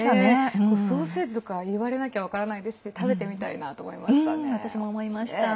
ソーセージとか言われなきゃ分からないですし食べてみたいなと思いました